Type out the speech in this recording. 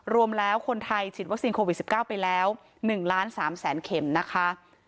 รวมแล้วคนไทยฉีดวัคซีนโควิด๑๙ไปแล้ว๑ล้าน๓แสนเข็มนะคะ